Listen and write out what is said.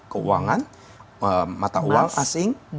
keuangan mata uang asing